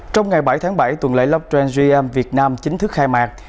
trong ngày bảy tháng bảy tuần lễ blockchain gm việt nam chính thức khai mạc